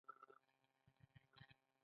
کله کله هندي اهنګرانو هم ور باندې سوهان واهه.